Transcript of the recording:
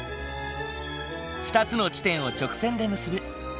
２つの地点を直線で結ぶ。